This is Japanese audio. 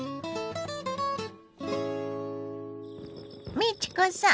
美智子さん